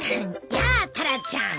やあタラちゃん。